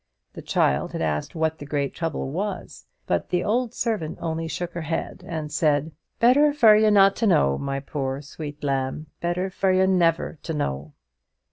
The child had asked what the great trouble was; but the old servant only shook her head, and said, "Better for you not to know, my poor, sweet lamb; better for you never to know."